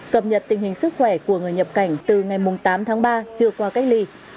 cập nhật tình hình sức khỏe của người nhập cảnh từ ngày tám tháng ba chưa qua cách ly